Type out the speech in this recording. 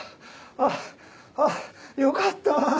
あっあっよかった。